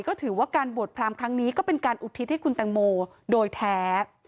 ก็ถือว่าการบวชพรามครั้งนี้ก็เป็นการอุทิศให้คุณแตงโมโดยแท้